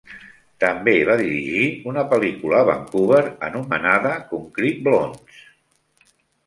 També va dirigir una pel·lícula a Vancouver anomenada Concrete Blondes.